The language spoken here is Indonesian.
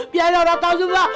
biarin orang tau semua